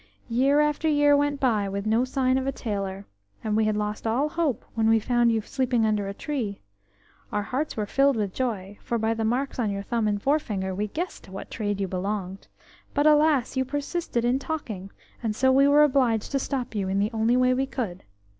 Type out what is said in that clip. "Year after year went by, with no sign of a tailor, and we had lost all hope, when we found you sleeping under a tree. Our hearts were filled with joy, for by the marks on your thumb and forefinger we guessed to what trade you belonged. But alas! you persisted in talking, and so we were obliged to stop you in the only way we could.